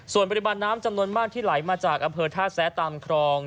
ส่วนปริมาณน้ำจำนวนมากที่ไหลมาจากอำเภอท่าแซะตามครอง